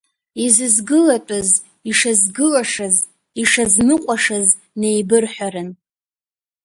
Изызгылатәыз ишазгылашаз, ишазныҟәашаз неибырҳәарын…